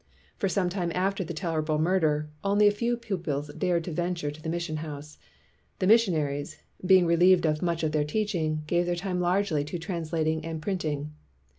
For some time after the terrible murder, only a few pupils dared to venture to the mission house. The missionaries, be ing relieved of much of their teaching, gave their time largely to translating and print ing.